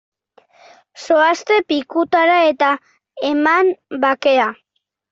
Zoazte pikutara eta eman bakea!